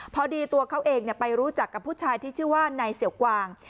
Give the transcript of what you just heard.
ตัวเขาเองไปรู้จักกับผู้ชายที่ชื่อว่านายเสี่ยวกวาง